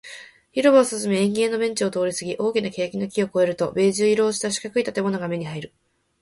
広場を進み、円形のベンチを通りすぎ、大きな欅の木を越えると、ベージュ色をした四角い建物が目に入る